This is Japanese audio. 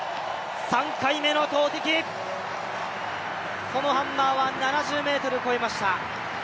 ３回目の投てき、そのハンマーは７０ｍを超えました。